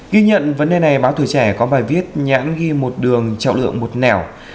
ghi nhận vấn đề này báo tuổi trẻ có bài viết nhãn ghi một đường trọng lượng một nẻo